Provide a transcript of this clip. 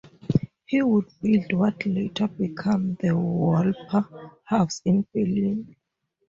He would build what later became the Walper House in Berlin.